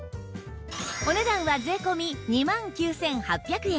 お値段は税込２万９８００円